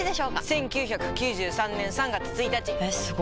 １９９３年３月１日！えすご！